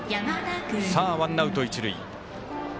ワンアウト、一塁。